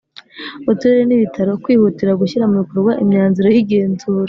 Uturere n Ibitaro kwihutira gushyira mu bikorwa imyanzuro y igenzura